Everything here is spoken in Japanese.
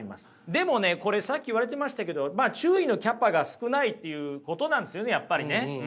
でもねさっき言われてましたけど注意のキャパが少ないっていうことなんですよねやっぱりね。